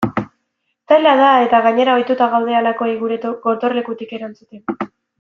Zaila da eta gainera ohituta gaude halakoei gure gotorlekutik erantzuten.